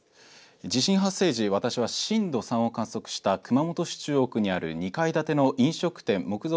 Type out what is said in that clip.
地震発生時、私は震度３を観測した熊本市中央区にある２階建ての模造